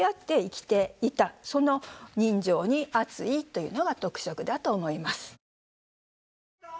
その人情に厚いというのが特色だと思います。